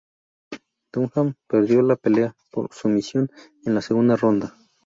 Dunham perdió la pelea por sumisión en la segunda ronda.